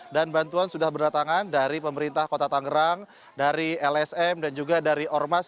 dan bantuan sudah berdatangan dari pemerintah kota tangerang dari lsm dan juga dari ormas